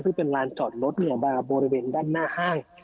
ซึ่งเป็นลานจอดรถมาบริเวณด้านหน้าห้าง